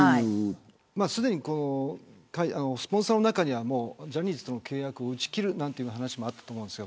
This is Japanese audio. すでにスポンサーの中にはジャニーズとの契約を打ち切るなんていう話もあったと思うんです。